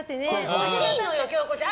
惜しいのよ、京子ちゃん。